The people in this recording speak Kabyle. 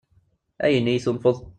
Ayen i yi-tunfeḍ?